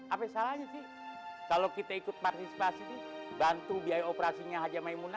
apalagi salahnya ji kalau kita ikut partisipasi bantu biaya operasinya haji maimunah